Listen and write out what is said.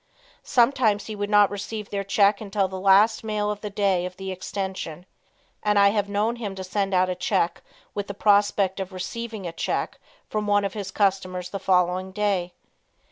Sometimes he would not receive their check until the last mail of the day of the extension, and I have known him to send out a check with the prospect of receiving a check from one of his customers the following day.